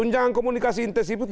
jangan komunikasi intensif itu